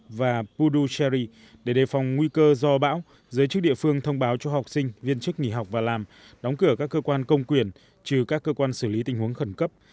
pv và puducherry để đề phòng nguy cơ do bão giới chức địa phương thông báo cho học sinh viên chức nghỉ học và làm đóng cửa các cơ quan công quyền trừ các cơ quan xử lý tình huống khẩn cấp